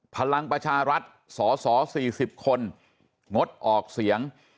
พลังประชารัฐสส๔๐คนงดออกเสียง